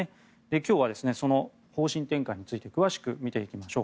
今日はその方針転換について詳しく見ていきましょう。